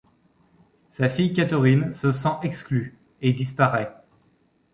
Sa fille Catherine se sent exclue, et disparait.